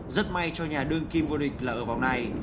rất may cho nhà đơn kim vua địch là ở vòng này